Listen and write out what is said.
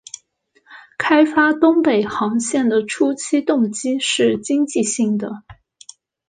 开发东北航线的初期动机是经济性的。